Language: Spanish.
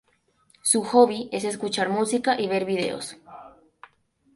Su hobby es escuchar música y ver videos.